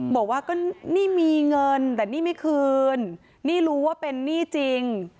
บอกว่าก็นี่มีเงินแต่นี่ไม่คืนนี่รู้ว่าเป็นหนี้จริง